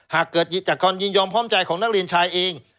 หากเกิดจากการยินยอมพร้อมใจของนักเรียนชายเอง